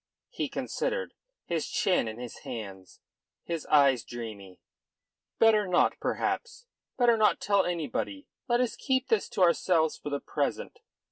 He considered, his chin in his hand, his eyes dreamy. "Better not, perhaps. Better not tell anybody. Let us keep this to ourselves for the present.